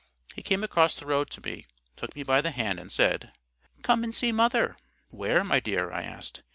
He came across the road to me, took me by the hand, and said— "Come and see mother." "Where, my dear?" I asked.